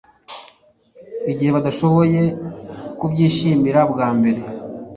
Igihe badashoboye kubyishimira bwa mbere,